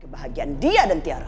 kebahagiaan dia dan tiara